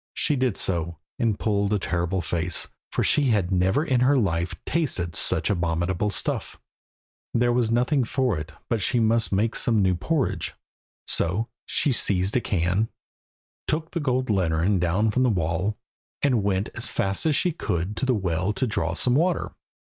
She did so, and pulled a terrible face, for she had never in her life tasted such abominable stuff. There was nothing for it but she must make some new porridge. So she seized a can, took the gold lantern down from the wall, and went as fast as she could to the well to draw some water.